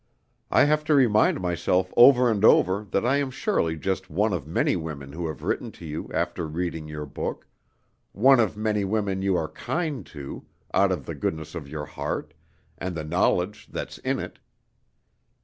I have to remind myself over and over that I am surely just one of many women who have written to you after reading your book; one of many women you are kind to, out of the goodness of your heart, and the knowledge that's in it.